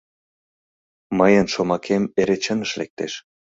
Мыйын шомакем эре чыныш лектеш.